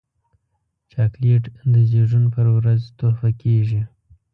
چاکلېټ د زیږون پر ورځ تحفه کېږي.